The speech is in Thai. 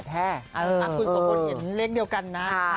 คุณโสพลเห็นเลขเดียวกันนะ